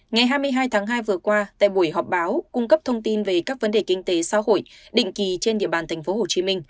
ngày hai mươi hai tháng hai vừa qua tại buổi họp báo cung cấp thông tin về các vấn đề kinh tế xã hội định kỳ trên địa bàn tp hcm